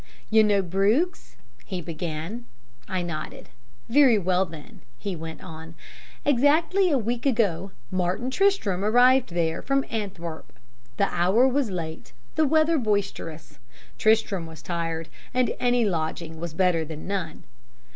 "You know Bruges?" he began. I nodded. "Very well, then," he went on. "Exactly a week ago Martin Tristram arrived there from Antwerp. The hour was late, the weather boisterous, Tristram was tired, and any lodging was better than none.